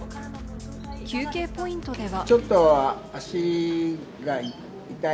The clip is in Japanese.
休憩ポイントでは。